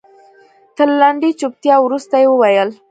تر لنډې چوپتيا وروسته يې وويل.